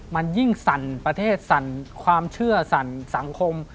มันยิ่งสั่นประเทศสั่นความเชื่อสั่นสังคม